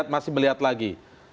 atau masih melihat lagi